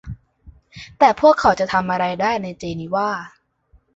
แต่พวกเขาจะทำอะไรได้ในเจนีวา